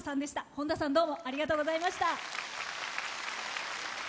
本田さんどうもありがとうございました。